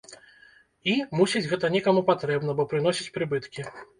І, мусіць, гэта некаму патрэбна, бо прыносіць прыбыткі.